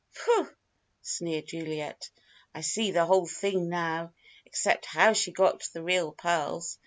"Pooh!" sneered Juliet. "I see the whole thing now except how she got the real pearls.